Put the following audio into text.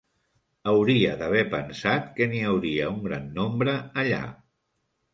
Hauria d'haver pensat que n'hi hauria un gran nombre allà.